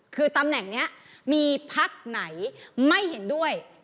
คือตำแหน่งนี้มีพักไหนไม่เห็นด้วย